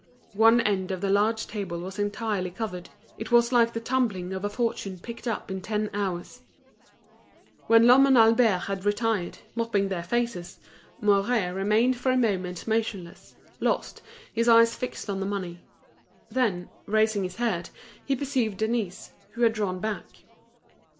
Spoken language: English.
One end of the large table was entirely covered; it was like the tumbling of a fortune picked up in ten hours. When Lhomme and Albert had retired, mopping their faces, Mouret remained for a moment motionless, lost, his eyes fixed on the money. Then, raising his head, he perceived Denise, who had drawn back.